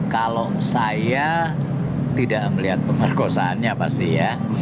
kalau saya tidak melihat pemerkosaannya pasti ya